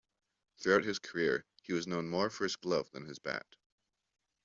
Throughout his career, he was known more for his glove than his bat.